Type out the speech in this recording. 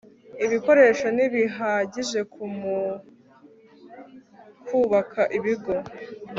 ibikoresho ntibihagije ku mukubaka ibigo